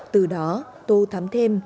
từ đó tôi thắm thêm